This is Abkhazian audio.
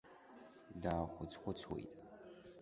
Даахәыц-хәыцуеит.